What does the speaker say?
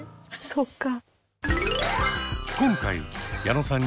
そっか。